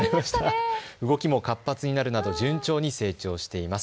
動きも活発になるなど順調に成長しています。